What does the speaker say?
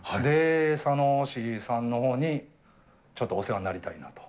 佐野市さんのほうにちょっとお世話になりたいなと。